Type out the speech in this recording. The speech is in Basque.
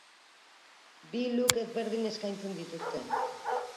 Bi look ezberdin eskaintzen dituzte.